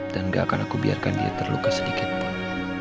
dan nggak akan aku biarkan dia terluka sedikitpun